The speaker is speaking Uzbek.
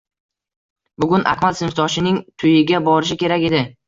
Bugun Akmal sinfdoshining tuyiga borishi kerak edi